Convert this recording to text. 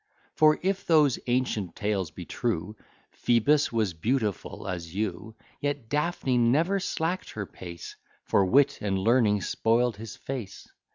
For, if those ancient tales be true, Phoebus was beautiful as you; Yet Daphne never slack'd her pace, For wit and learning spoil'd his face.